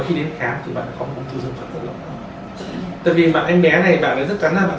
khi đến khám thì bạn có ung thư dương vật rất là lớn đặc biệt bạn em bé này bạn rất chắn là bạn sẽ